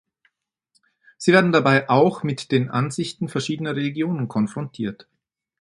Sie werden dabei auch mit den Ansichten verschiedener Religionen konfrontiert.